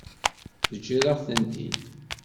Teǧǧiḍ-aɣ-tent-id.